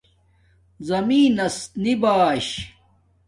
زمین نس نی باش